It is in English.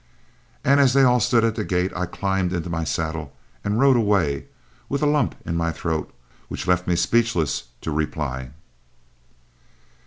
And as they all stood at the gate, I climbed into my saddle and rode away, with a lump in my throat which left me speechless to reply.